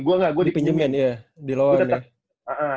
gua gak gua dipinjemin dipinjemin ya